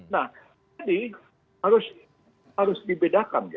nah jadi harus dibedakan